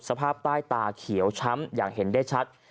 สภาพใต้ตาเขียวช้ำอย่างเห็นได้ชัด